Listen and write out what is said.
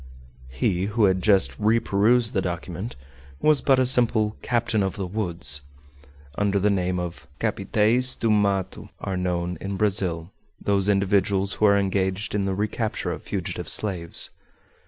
He who had just reperused the document was but a simple "captain of the woods." Under the name of "Capitaes do Mato" are known in Brazil those individuals who are engaged in the recapture of fugitive slaves.